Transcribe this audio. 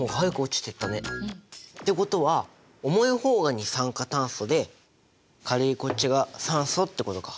ってことは重い方が二酸化炭素で軽いこっちが酸素ってことか！